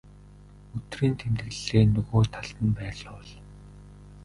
өдрийн тэмдэглэлээ нөгөө талд нь байрлуул.